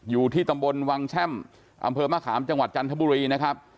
อยู่ที่ตำบลวังแช่มอำเภอมะขามจังหวัดจันทบุรีนะครับ